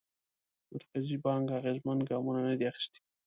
مرکزي بانک اغېزمن ګامونه ندي اخیستي.